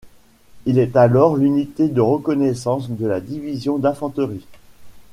Il est alors l'unité de reconnaissance de la division d'infanterie.